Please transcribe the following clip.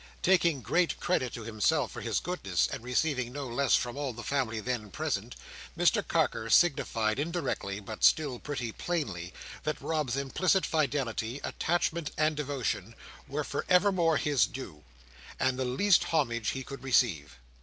Taking great credit to himself for his goodness, and receiving no less from all the family then present, Mr Carker signified, indirectly but still pretty plainly, that Rob's implicit fidelity, attachment, and devotion, were for evermore his due, and the least homage he could receive.